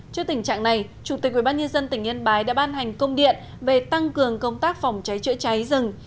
trước tình trạng này chủ tịch ubnd tỉnh yên bái đã ban hành công điện về tăng cường công tác phòng cháy chữa cháy rừng